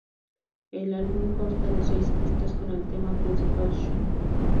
El álbum consta de seis pistas, con el tema principal "Shine".